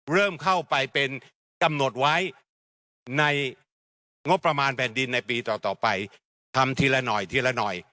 เริ่มเข้าไปเป็นที่กำหนดไว้ในงบประมาณแผ่นดินในปีต่อไปทำทีละหน่อยทีละหน่อย